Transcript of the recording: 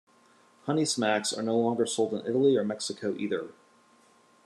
Honey Smacks are no longer sold in Italy or Mexico either.